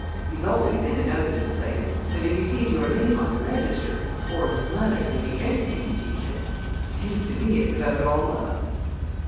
He is always in and out of this place, and if he sees your name on the register or his mother, Lady Enterdean, sees it it seems to me it's about all up!"